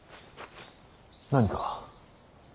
何か。